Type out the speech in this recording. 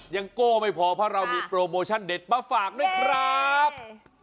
โก้ไม่พอเพราะเรามีโปรโมชั่นเด็ดมาฝากด้วยครับ